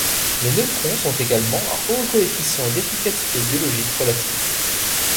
Les neutrons ont également un haut coefficient d'efficacité biologique relative.